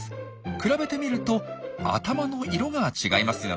比べてみると頭の色が違いますよね。